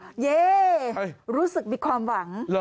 เย้รู้สึกมีความหวัง